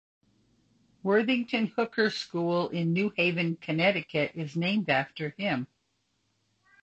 Worthington Hooker School in New Haven, Connecticut is named after him.